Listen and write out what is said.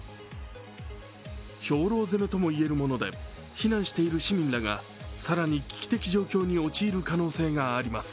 兵糧攻めともいえるもので避難している市民らが更に危機的状況に陥る可能性があります。